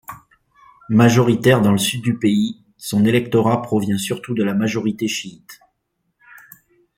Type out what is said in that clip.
Majoritaire dans le sud du pays, son électorat provient surtout de la majorité chiite.